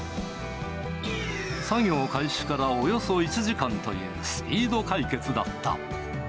作業開始からおよそ１時間というスピード解決だった。